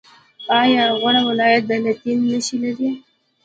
آیا غور ولایت د لیتیم نښې لري؟